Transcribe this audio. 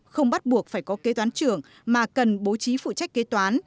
không bắt buộc phải có kế toán trưởng mà cần bố trí phụ trách kế toán